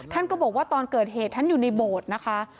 ท่านก็บอกว่าตอนเกิดเหตุท่านอยู่ในโบสถ์นะคะ